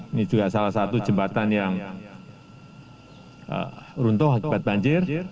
ini juga salah satu jembatan yang runtuh akibat banjir